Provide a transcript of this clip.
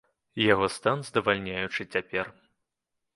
Яго стан здавальняючы цяпер.